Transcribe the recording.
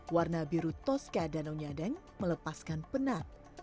warna biru toska danau nyadeng melepaskan penat